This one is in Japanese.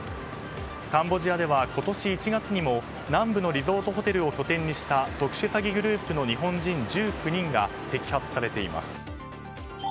カンボジアでは今年１月にも南部のリゾートホテルを拠点にした特殊詐欺グループの日本人１９人が摘発されています。